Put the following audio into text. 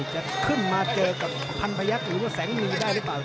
จะขึ้นมาเจอกับพันพยักษ์หรือว่าแสงมีได้หรือเปล่า